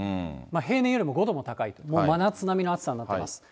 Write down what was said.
平年よりも５度も高いと、真夏並みの暑さになってます。